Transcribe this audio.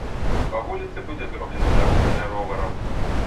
Па вуліцы будзе зроблена дарога для ровараў.